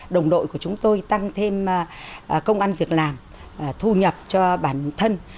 đồng đội của chúng tôi tăng thêm công an việc làm thu nhập cho bản thân